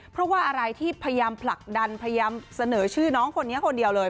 เพราะว่าอะไรที่พยายามผลักดันพยายามเสนอชื่อน้องคนนี้คนเดียวเลย